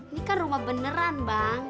ini kan rumah beneran bang